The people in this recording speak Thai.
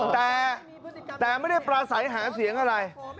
แต่ไม่ได้ปราศัยหาเสียงอะไร